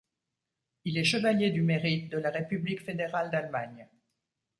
Il est chevalier du Mérite de la République fédérale d’Allemagne.